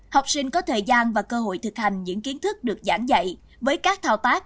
học sinh có thời gian và cơ hội thực hành những kiến thức được giảng dạy với các thao tác